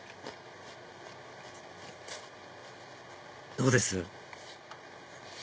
どうです？